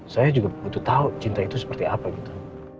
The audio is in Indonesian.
saya juga butuh tahu cinta itu seperti apa gitu